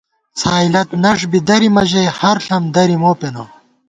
څھائیلَت نݭ بی درِمہ ژَئی ہر ݪم دری مو پېنہ